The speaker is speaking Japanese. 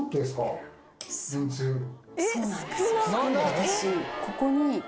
私ここに。